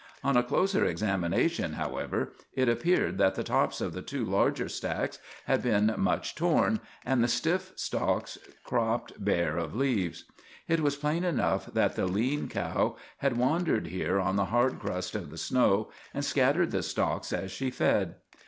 On a closer examination, however, it appeared that the tops of the two larger stacks had been much torn, and the stiff stalks cropped bare of leaves. It was plain enough that the lean cow had wandered here on the hard crust of the snow and scattered the stalks as she fed.